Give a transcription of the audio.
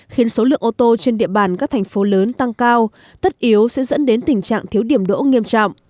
khiến số lượng ô tô trên địa bàn các thành phố lớn tăng cao tất yếu sẽ dẫn đến tình trạng thiếu điểm đỗ nghiêm trọng